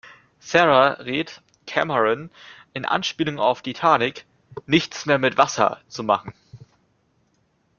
Sarah rät Cameron in Anspielung auf Titanic "nichts mehr mit Wasser" zu machen.